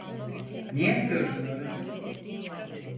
Ne yapıyordun orada?